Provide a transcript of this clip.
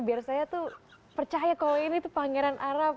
biar saya tuh percaya kalau ini tuh pangeran arab